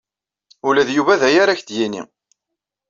Ula d Yuba d aya ara ak-d-yini.